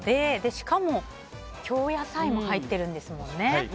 しかも京野菜も入ってるんですもんね。